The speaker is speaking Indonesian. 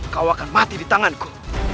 kau akan mati di tanganku